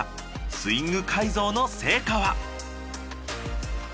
スイング改造の成果は？